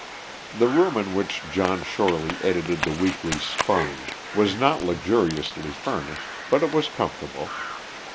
The room in which John Shorely edited the Weekly Sponge was not luxuriously furnished, but it was comfortable.